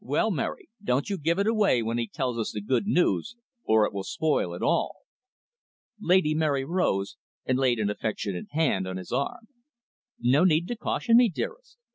"Well, Mary, don't you give it away when he tells us the good news, or it will spoil it all." Lady Mary rose, and laid an affectionate hand on his arm. "No need to caution me, dearest.